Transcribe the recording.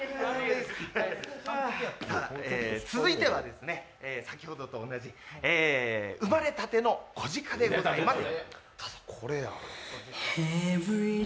続いては先ほどと同じ「生まれたての子鹿」でございます。